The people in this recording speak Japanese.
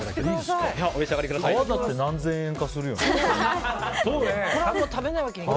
皮だって何千円かするよね。